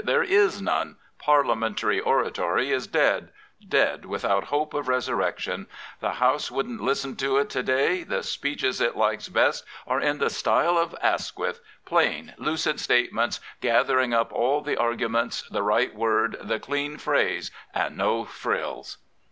There is none. Parlia mentary oratory is dead — dead without hope of resurrection. The House wouldn't listen to it to day. The speeches it likes best are in the style of Asquith — plain, lucid statements, gathering up all the argu ments, the right word, the clean phrase and no frills."